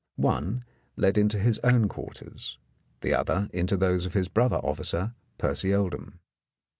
One led into his own quarters, the other into those of his brother officer, Percy Oldham.